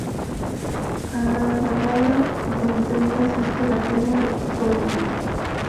A la gala de entrega asistente ‘la crema’ del fútbol boliviano.